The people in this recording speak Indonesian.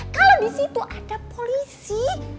kalo disitu ada polisi